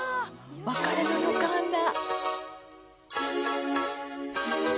『別れの予感』だ。